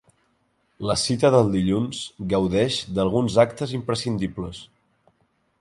La cita del dilluns gaudeix d’alguns actes imprescindibles.